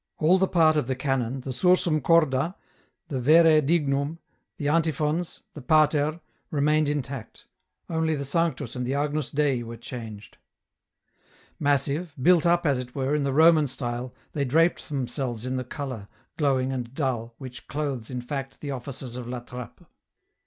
All the part of the Canon, the " Sursum Corda," the " Vere EN ROUTE. 261 Dignum,"the Antiphons, the "Pater," remained intact. Only the " Sanctus " and the "Agnus Dei" \^'ere changed. Massive, built up, as it were, in the Roman style, they draped themselves in the colour, glowing and dull, which clothes, in fact, the offices of La Trappe.